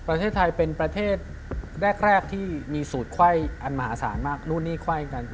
ประเทศไทยเป็นประเทศแรกที่มีสูตรไขว้อันมหาศาลมากนู่นนี่ไขว้กัน